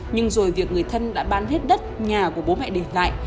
nhưng rồi việc người thân đã bán hết đất nhà của bố mẹ để lại